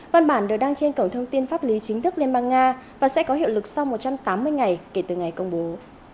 văn bản được đăng trên cổng thông tin pháp lý chính thức liên bang nga và sẽ có hiệu lực sau một trăm tám mươi ngày kể từ ngày công bố